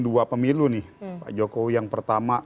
dua pemilu nih pak jokowi yang pertama